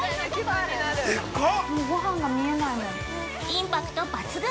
◆インパクト抜群！